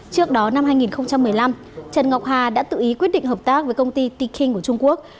trước đó năm hai nghìn một mươi năm trần ngọc hà đã tự ý quyết định hợp tác với công ty tiking của trung quốc